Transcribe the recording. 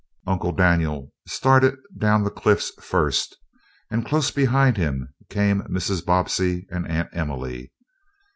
Uncle Daniel started down the cliffs first, and close behind him came Mrs. Bobbsey and Aunt Emily.